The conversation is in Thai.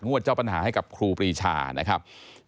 เจ้าปัญหาให้กับครูปรีชานะครับ